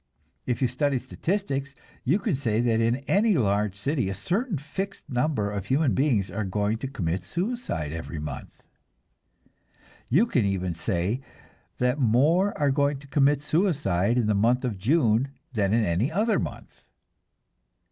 If you study statistics, you can say that in any large city a certain fixed number of human beings are going to commit suicide every month; you can even say that more are going to commit suicide in the month of June than in any other month.